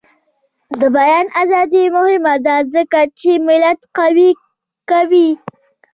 د بیان ازادي مهمه ده ځکه چې ملت قوي کوي.